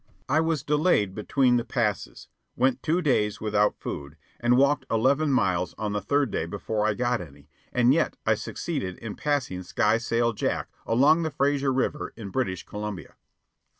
I was delayed between the passes, went two days without food, and walked eleven miles on the third day before I got any, and yet I succeeded in passing Skysail Jack along the Fraser River in British Columbia.